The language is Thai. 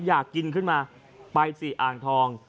อยากกินขึ้นมาไปสิอ่างทอง